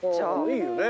いいよね。